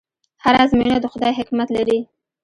هره ازموینه د خدای حکمت لري.